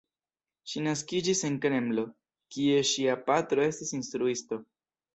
Ŝi naskiĝis en Kremlo, kie ŝia patro estis instruisto.